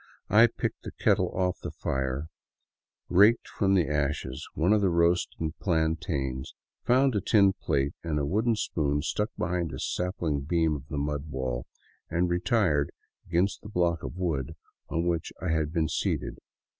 I picked the kettle off the fire, raked from the ashes one of the roasting plantains, found a tin plate and a wooden spoon stuck behind a sapling beam of the mud wall, and retired again to the block of wood on which I had been seated.